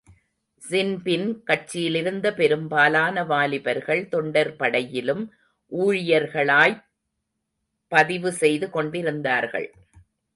ஸின்பின் கட்சியிலிருந்த பெரும்பாலான வாலிபர்கள் தொண்டர்படையிலும் ஊழியர்களாய்ப் பதிவு செய்து கொண்டிருந்தார்கள்.